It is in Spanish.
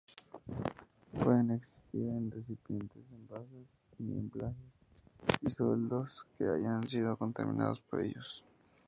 Pueden existir en recipientes, envases, embalajes y suelos que hayan sido contaminados por ellos.